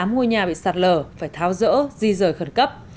tám mươi tám ngôi nhà bị sạt lở phải tháo rỡ di rời khẩn cấp